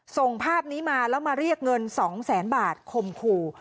ส่งภาพนี้มาแล้วมาเรียกเงิน๒แสนบาทคมขู่